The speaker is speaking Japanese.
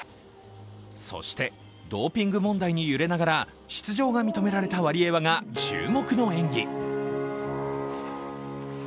そして、ドーピング問題に揺れながら出場が認められたワリエワが注目の演技。